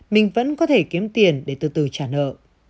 mình vẫn có thể kiếm tiền để từ từ trả nợ